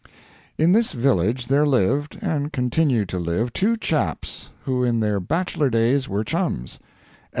In this village there lived, and continue to live, two chaps who in their bachelor days were chums.